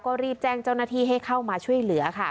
ก็รีบแจ้งเจ้าหน้าที่ให้เข้ามาช่วยเหลือค่ะ